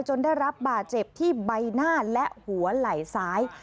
ได้รับบาดเจ็บที่ใบหน้าและหัวไหล่ซ้าย